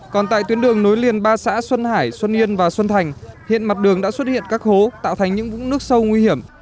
còn tại tuyến đường nối liền ba xã xuân hải xuân yên và xuân thành hiện mặt đường đã xuất hiện các hố tạo thành những vũng nước sâu nguy hiểm